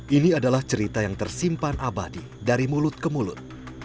ini adalah cerita yang tersimpan abadi dari mulut ke mulut